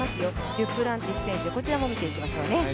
デュプランティス選手、こちらも見ていきましょうね。